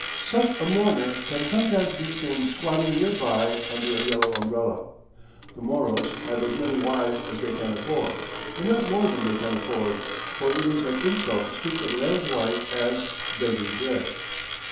Such a mourner can sometimes be seen squatting near by under a yellow umbrella. The Moros have as many wives as they can afford, but not more than they can afford, for it is an insult to speak of a man's wife as "begging bread."